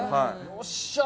よっしゃあ。